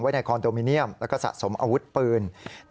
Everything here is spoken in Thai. ในคอนโดมิเนียมแล้วก็สะสมอาวุธปืน